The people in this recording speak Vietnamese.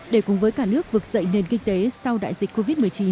để cùng với cả nước vực dậy nền kinh tế sau đại dịch covid một mươi chín